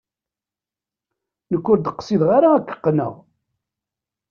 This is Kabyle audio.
Nekk ur d-qqsideɣ ara ad ak-qqneɣ.